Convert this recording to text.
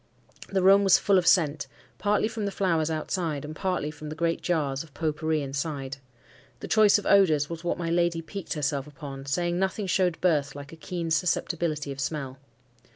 The room was full of scent, partly from the flowers outside, and partly from the great jars of pot pourri inside. The choice of odours was what my lady piqued herself upon, saying nothing showed birth like a keen susceptibility of smell.